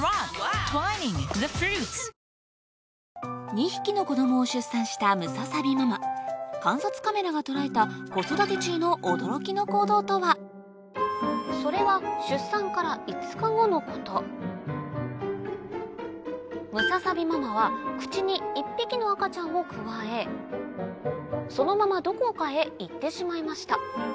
２匹の子供を出産したムササビママ観察カメラが捉えたそれはムササビママは口に１匹の赤ちゃんをくわえそのままどこかへ行ってしまいました